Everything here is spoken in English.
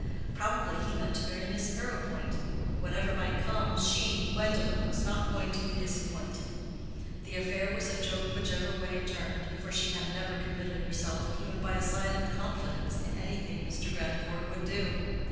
Probably he meant to marry Miss Arrowpoint. Whatever might come, she, Gwendolen, was not going to be disappointed: the affair was a joke whichever way it turned, for she had never committed herself even by a silent confidence in anything Mr. Grandcourt would do.